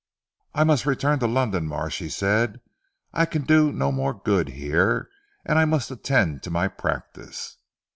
"I must return to London Marsh," he said. "I can do no more good here; and I must attend to my practice."